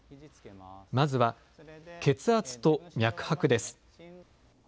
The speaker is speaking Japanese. まずは血圧と脈拍です。